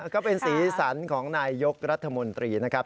ก็เป็นสีสันของนายยกรัฐมนตรีนะครับ